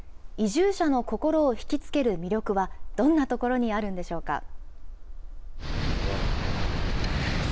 移住者の心を引き付ける魅力は、どんなところにあるんでしょうか。